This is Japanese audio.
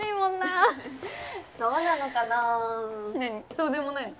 そうでもないの？